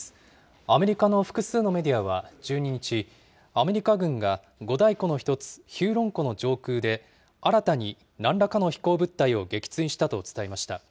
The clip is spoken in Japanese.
アメリカの複数のメディアは１２日、アメリカ軍が五大湖の一つ、ヒューロン湖の上空で、新たになんらかの飛行物体を撃墜したと伝えました。